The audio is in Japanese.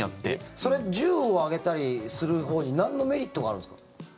それ銃をあげたりするほうになんのメリットがあるんですか？